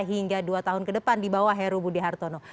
hingga dua tahun ke depan di bawah heru budi hartono